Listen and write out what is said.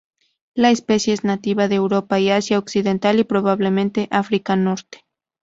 La especie es nativa de Europa y Asia occidental y probablemente África norte.